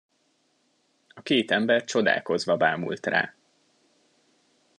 A két ember csodálkozva bámult rá.